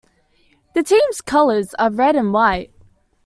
The team's colours are red and white.